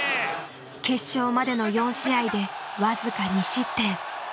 決勝までの４試合で僅か２失点。